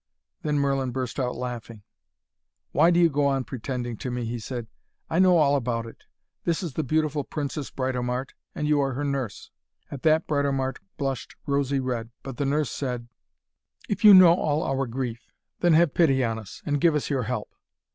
Then Merlin burst out laughing. 'Why do you go on pretending to me?' he said. 'I know all about it. This is the beautiful Princess Britomart, and you are her nurse.' At that Britomart blushed rosy red, but the nurse said: 'If you know all our grief, then have pity on us, and give us your help.'